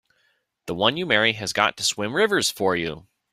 The one you marry has got to swim rivers for you!